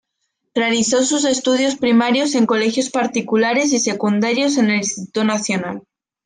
Realizó sus estudios primarios en colegios particulares y secundarios en el Instituto Nacional.